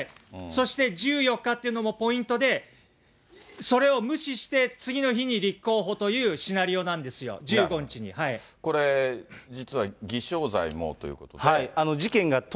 そして１４日というのもポイントで、それを無視して次の日に立候補というシナリオなんですよ、１５日これ、実は偽証罪もというこ事件